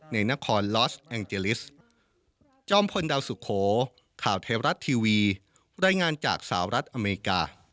ในนครลอสแองเจลิส